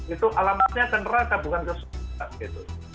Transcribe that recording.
itu alamatnya generaka bukan kesulitan gitu